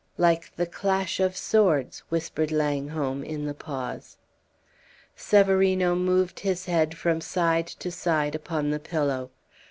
"Like the clash of swords," whispered Langholm, in the pause. Severino moved his head from side to side upon the pillow.